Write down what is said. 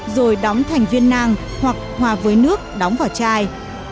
rồi đóng thành viên nang hoặc hòa với nước đóng vào chai